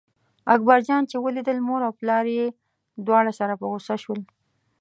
اکبر جان چې ولیدل مور او پلار یې دواړه سره په غوسه شول.